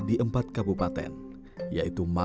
jika selalu ramai mata terlemah